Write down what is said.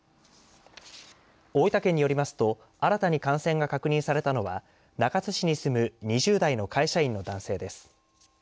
大分県によりますと新たに感染が確認されたのは中津市に住む２０代の会社員の男性です。